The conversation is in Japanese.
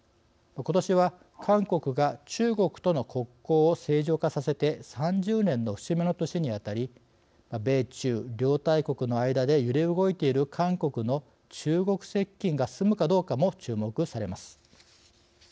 ことしは、韓国が中国との国交を正常化させて３０年の節目の年にあたり米中両大国の間で揺れ動いている韓国の中国接近が進むかどうかも注目されます。